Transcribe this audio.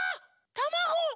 たまご！